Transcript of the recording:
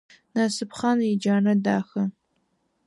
Насыпхъан иджанэ дахэ.